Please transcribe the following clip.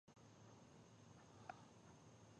دلته هنر او کلتور وده کړې وه